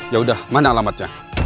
yaudah mana alamatnya